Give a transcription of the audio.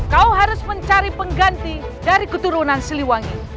kau harus mencari pengganti dari keturunan siliwangi